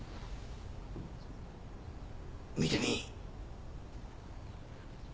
見てみぃ。